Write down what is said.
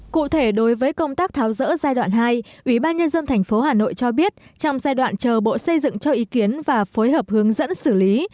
cụ thể đối với công tác tháo rỡ giai đoạn hai ủy ban nhân dân tp hà nội cho biết trong giai đoạn chờ bộ xây dựng cho ý kiến và phối hợp hướng dẫn xử lý